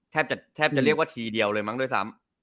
แทบจะเรียกว่าทีเดียวเลยมั้งด้วยซ้ำ